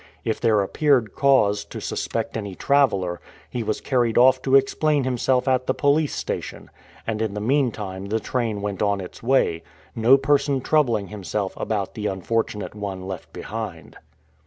If there appeared cause to suspect any traveler, he was carried off to explain himself at the police station, and in the meantime the train went on its way, no person troubling himself about the unfortunate one left behind.